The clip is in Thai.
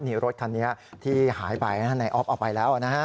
นี่รถคันนี้ที่หายไปในออฟเอาไปแล้วนะฮะ